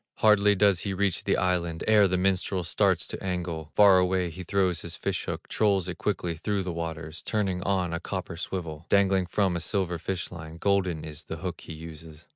Hardly does he reach the island Ere the minstrel starts to angle; Far away he throws his fish hook, Trolls it quickly through the waters, Turning on a copper swivel Dangling from a silver fish line, Golden is the hook he uses.